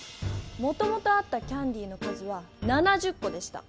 もともとあったキャンディーの数は７０コでした！